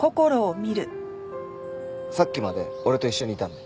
さっきまで俺と一緒にいたんで。